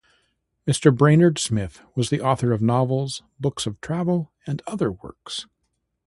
Mrs. Brainerd Smith was the author of novels, books of travel and other works.